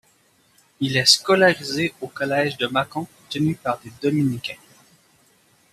Il est scolarisé au collège de Mâcon tenu par des dominicains.